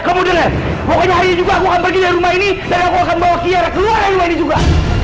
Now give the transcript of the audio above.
kemudian pokoknya juga aku akan pergi rumah ini dan aku akan bawa kiara keluar juga